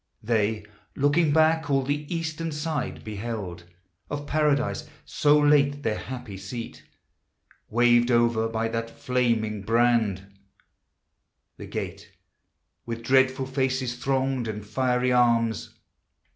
They, looking back, all the eastern side beheld Of Paradise, so late their happy seat, Waved over by that flaming brand; the gate With dreadful faces thronged and fiery arms.